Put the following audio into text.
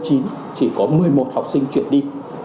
chỉ có một mươi một học sinh chuyển đi